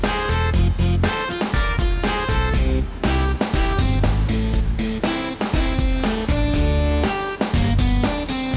hai berubah gitu